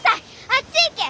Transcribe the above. あっち行け！